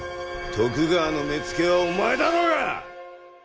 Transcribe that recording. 徳川の目付けはお前だろうが！